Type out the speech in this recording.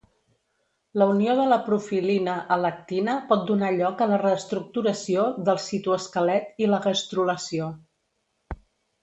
La unió de la profilina a l'actina pot donar lloc a la reestructuració del citoesquelet i la gastrulació.